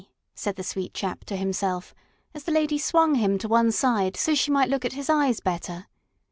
said the sweet chap to himself, as the lady swung him to one side so she might look at his eyes better.